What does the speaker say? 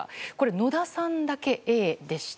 野田さんだけＡでした。